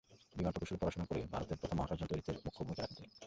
বিমান প্রকৌশলে পড়াশোনা করে ভারতের প্রথম মহাকাশযান তৈরিতে মুখ্য ভূমিকা রাখেন তিনি।